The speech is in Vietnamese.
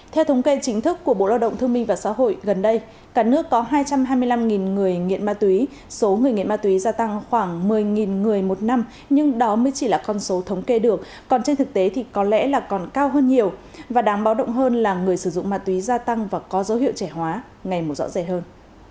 theo thống kê chính thức của bộ lao động thương minh và xã hội gần đây cả nước có hai trăm hai mươi năm người nghiện ma túy số người nghiện ma túy gia tăng khoảng một mươi người một năm nhưng đó mới chỉ là con số thống kê được còn trên thực tế thì có lẽ là còn cao hơn nhiều và đáng báo động hơn là người sử dụng ma túy gia tăng và có dấu hiệu trẻ hóa ngày một rõ rệ hơn